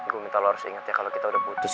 gue minta lu harus ingat ya kalo kita udah putus